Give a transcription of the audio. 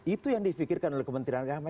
itu yang difikirkan oleh kementerian agama